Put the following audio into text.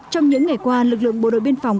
trong những ngày qua lực lượng bộ đội biên phòng